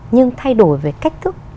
nhưng thay đổi về cách thức